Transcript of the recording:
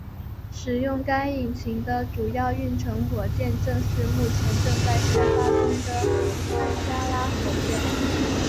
使用该引擎的主要运载火箭是目前正在开发中的安加拉火箭。